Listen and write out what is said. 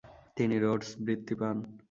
তিনি রোড্স বৃত্তি পান।